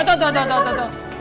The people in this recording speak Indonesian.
aduh tuh tuh tuh